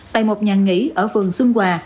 tại một nhà nghỉ ở vườn xuân hòa